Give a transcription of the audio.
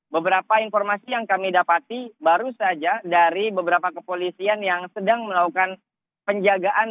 beberapa informasi yang kami dapati baru saja dari beberapa kepolisian yang sedang melakukan penjagaan